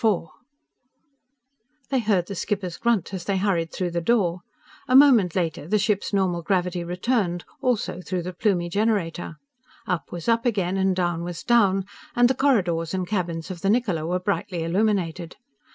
They heard the skipper's grunt as they hurried through the door. A moment later the ship's normal gravity returned also through the Plumie generator. Up was up again, and down was down, and the corridors and cabins of the Niccola were brightly illuminated.